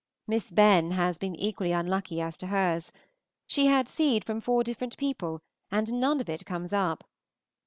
Miss Benn has been equally unlucky as to hers. She had seed from four different people, and none of it comes up.